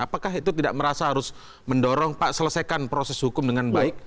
apakah itu tidak merasa harus mendorong pak selesaikan proses hukum dengan baik